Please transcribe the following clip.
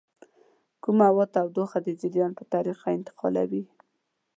کوم مواد تودوخه د جریان په طریقه انتقالوي؟